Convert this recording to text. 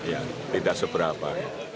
ya tidak seberapa